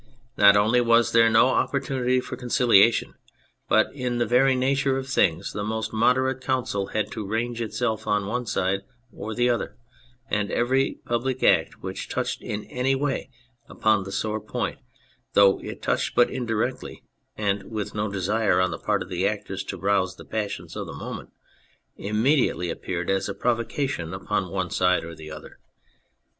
Not only was there no opportunity for con ciliation, but in the very nature of things the most moderate counsel had to range itself on one side or the other, and every public act which touched in any way upon the sore point, though it touched but indirectly, and with no desire on the part of the actors to rouse the passions of the moment, immedi ately appeared as a provocation upon one side or the other.